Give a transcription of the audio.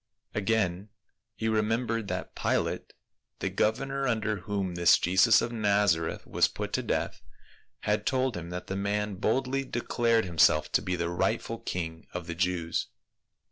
Again he remembered that Pilate, the governor under whom this Jesus of Naza reth was put to death, had told him that the man boldly declared himself to be the rightful king of the Jews.